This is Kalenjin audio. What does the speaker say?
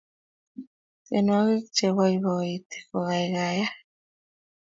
tienwokik cheipoipoiti kokaikaiyo